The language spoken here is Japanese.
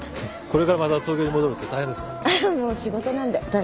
これからまた東京に戻るって大変ですね。